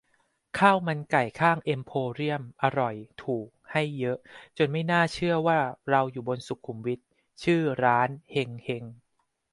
ข้าวมันไก่ข้างเอ็มโพเรียม อร่อย ถูก ให้เยอะ จนไม่น่าเชื่อว่าเราอยู่บนสุขุมวิท ชื่อร้าน 'เฮง เฮง'